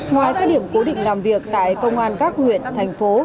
ngoài các điểm cố định làm việc tại công an các huyện thành phố